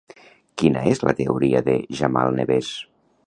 Quina és la teoria de Jamal Nebez?